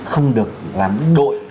không được làm đội